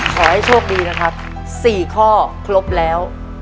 ขอให้โชคดีนะครับ๔ข้อครบแล้ว